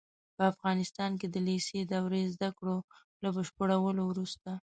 په افغانستان کې د لېسې دورې زده کړو له بشپړولو وروسته